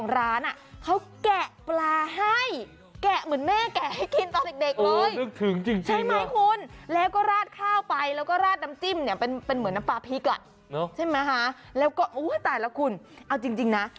ราคาก็ไม่แพงคุณชนะเดา